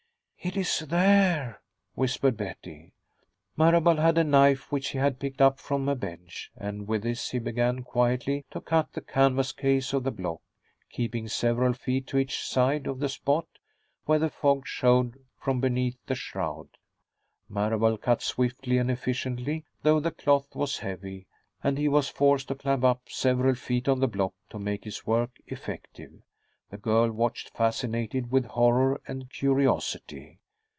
"It is there," whispered Betty. Marable had a knife which he had picked up from a bench, and with this he began quietly to cut the canvas case of the block, keeping several feet to each side of the spot where the fog showed from beneath the shroud. Marable cut swiftly and efficiently, though the cloth was heavy and he was forced to climb up several feet on the block to make his work effective. The girl watched, fascinated with horror and curiosity.